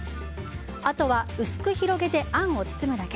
あとは薄く広げてあんを包むだけ。